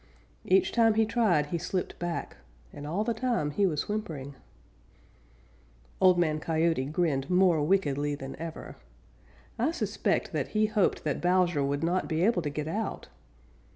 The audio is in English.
Each time he tried he slipped back, and all the time he was whimpering. Old Man Coyote grinned more wickedly than ever. I suspect that he hoped that Bowser would not be able to get out.